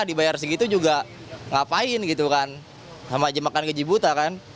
dibayar segitu juga ngapain gitu kan sama aja makan gaji buta kan